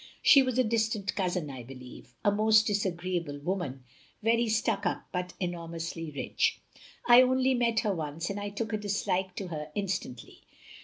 She was a distant cousin, I believe. A most disagreeable woman, very stuck up but enormously rich. I only met her once and I took a dislike to her instantly.